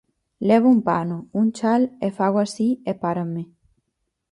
Levo un pano, un chal, e fago así e páranme.